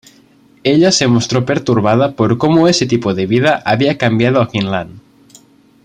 Ella se mostró perturbada por cómo ese tipo de vida había cambiado a Quinlan.